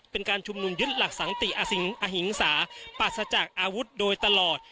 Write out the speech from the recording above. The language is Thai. เป็นการชุมนุมยึดหลักสังติอหิงสาปราศจากอาวุธโดยตลอด